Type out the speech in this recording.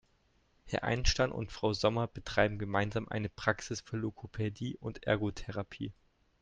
Herr Einstein und Frau Sommer betreiben gemeinsam eine Praxis für Logopädie und Ergotherapie.